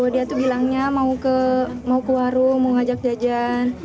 dia tuh bilangnya mau ke warung mau ngajak jajan